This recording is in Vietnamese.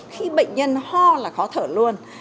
khi bệnh nhân ho là khó thở luôn